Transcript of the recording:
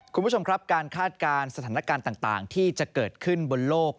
คุณผู้ชมครับการคาดการณ์สถานการณ์ต่างที่จะเกิดขึ้นบนโลก